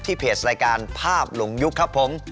เพจรายการภาพหลงยุคครับผม